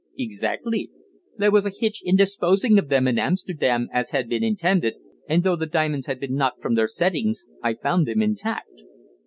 "Exactly. There was a hitch in disposing of them in Amsterdam, as had been intended, and though the diamonds had been knocked from their settings, I found them intact."